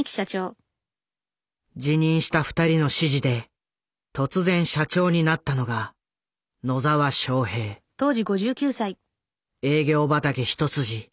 辞任した２人の指示で突然社長になったのが営業畑一筋。